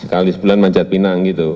sekali sebulan manjat pinang gitu